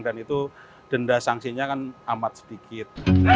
itu denda sanksinya kan amat sedikit